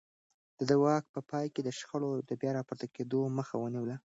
ده د واک په پای کې د شخړو د بيا راپورته کېدو مخه ونيوه.